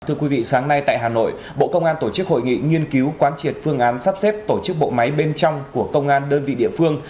thưa quý vị sáng nay tại hà nội bộ công an tổ chức hội nghị nghiên cứu quán triệt phương án sắp xếp tổ chức bộ máy bên trong của công an đơn vị địa phương